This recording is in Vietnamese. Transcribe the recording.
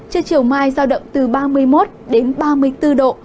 trưa chiều mai giao động từ ba mươi một đến ba mươi bốn độ